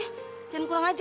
dia akan melakukan apa saja